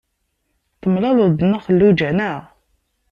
Temlaleḍ-d Nna Xelluǧa, naɣ?